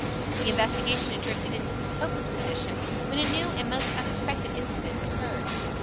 The investigation had drifted into this hopeless position when a new and most unexpected incident occurred.